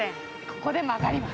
ここで曲がります。